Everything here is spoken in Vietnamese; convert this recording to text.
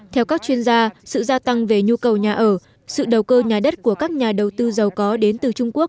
theo các chuyên gia sự gia tăng về nhu cầu nhà ở sự đầu cơ nhà đất của các nhà đầu tư giàu có đến từ trung quốc